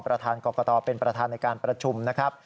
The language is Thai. ประธานกรกตเป็นประธานในการประชุมนะครับ